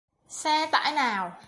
Xe tải nào